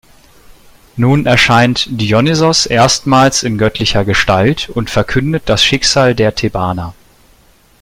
Nun erscheint Dionysos erstmals in göttlicher Gestalt und verkündet das Schicksal der Thebaner.